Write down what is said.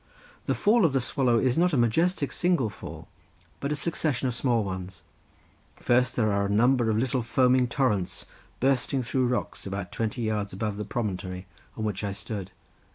The Fall of the Swallow is not a majestic single fall, but a succession of small ones. First there are a number of little foaming torrents, bursting through rocks about twenty yards above the promontory, on which I stood.